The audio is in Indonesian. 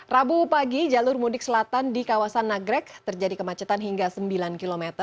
rabu pagi jalur mudik selatan di kawasan nagrek terjadi kemacetan hingga sembilan km